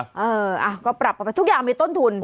เออก็ปรับกันไปทุกอย่างมีต้นทุน